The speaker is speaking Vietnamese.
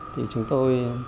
thì chúng tôi